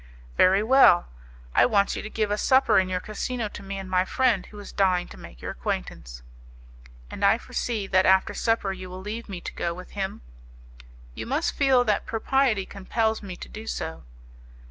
"Very well. I want you to give a supper in your casino to me and my friend, who is dying to make your acquaintance." "And I foresee that after supper you will leave me to go with him." "You must feel that propriety compels me to do so."